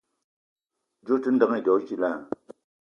Djeue ote ndeng edo djila?